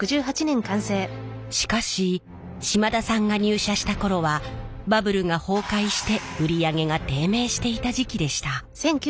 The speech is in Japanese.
しかし島田さんが入社した頃はバブルが崩壊して売り上げが低迷していた時期でした。